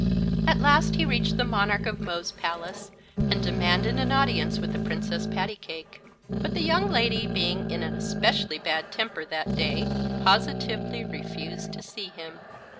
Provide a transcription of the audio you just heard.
At last he reached the Monarch of Mo's palace and demanded an audience with the Princess Pattycake. But the young lady, being in an especially bad temper that day, positively refused to see him.